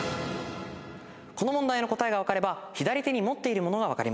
この問題の答えが分かれば左手に持っているものが分かります。